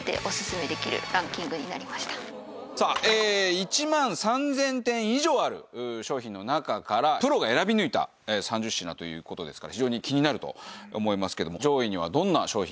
１万３０００点以上ある商品の中からプロが選び抜いた３０品という事ですから非常に気になると思いますけども。